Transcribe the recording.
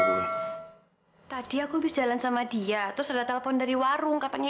kita simpen rasaan gedacht ini udah tiga hari waktu apa udah rata